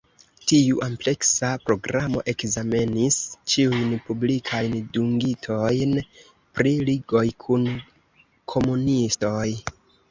Tiu ampleksa programo ekzamenis ĉiujn publikajn dungitojn pri ligoj kun komunistoj.